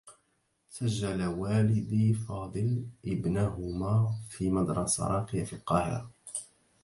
سجّل والدي فاضل ابنهما في مدرسة راقية في القاهرة.